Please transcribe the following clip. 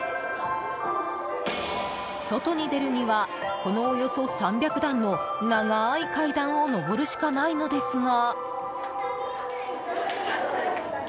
外に出るにはこのおよそ３００段の長い階段を上るしかないのですが。